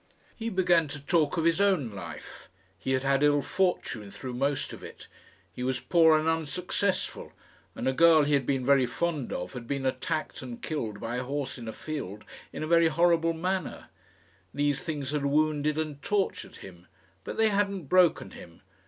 He began to talk of his own life. He had had ill fortune through most of it. He was poor and unsuccessful, and a girl he had been very fond of had been attacked and killed by a horse in a field in a very horrible manner. These things had wounded and tortured him, but they hadn't broken him.